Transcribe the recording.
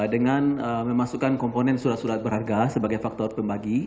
dengan memasukkan komponen surat surat berharga sebagai faktor pembagi